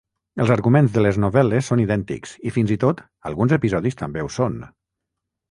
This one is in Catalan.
Els arguments de les novel·les són idèntics i, fins i tot, alguns episodis també ho són.